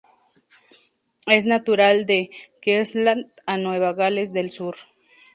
Es natural de Queensland a Nueva Gales del Sur.